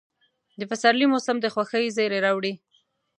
د پسرلي موسم د خوښۍ زېرى راوړي.